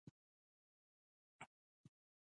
د ټوخي لپاره د بې دانه عنابو جوشانده وکاروئ